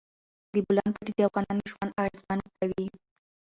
د بولان پټي د افغانانو ژوند اغېزمن کوي.